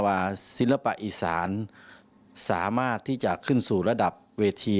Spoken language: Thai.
ศิลปะอีสานสามารถที่จะขึ้นสู่ระดับเวที